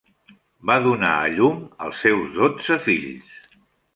Va donar a llum als seus dotze fills.